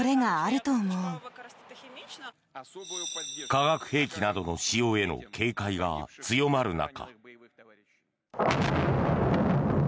化学兵器などの使用への警戒が強まる中。